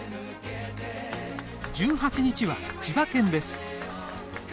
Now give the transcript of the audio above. １８日は千葉県です。